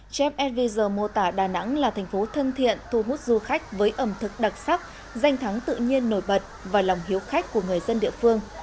jeff eveser mô tả đà nẵng là thành phố thân thiện thu hút du khách với ẩm thực đặc sắc danh thắng tự nhiên nổi bật và lòng hiếu khách của người dân địa phương